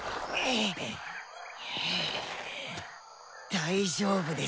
大丈夫です